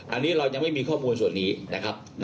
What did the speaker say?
อันนี้เรายังไม่มีข้อมูลส่วนนี้นะครับ